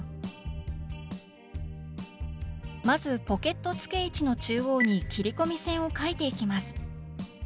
まずポケット付け位置の中央に切り込み線を書いていきます。